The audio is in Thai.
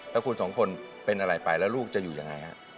ถ้าคุณสองคนเป็นอะไรไปแล้วลูกจะอยู่อย่างไร